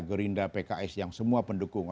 gerinda pks yang semua pendukung